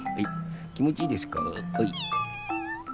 きもちいいですか？